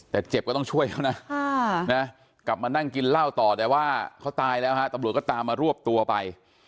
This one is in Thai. แต่เจ็บก็ต้องช่วยเขานะกลับมานั่งกินเหล้าต่อแต่ว่าเขาตายแล้วฮะตำรวจก็ตามมารวบตัวไป